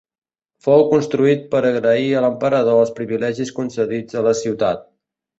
Fou construït per agrair a l'emperador els privilegis concedits a la ciutat.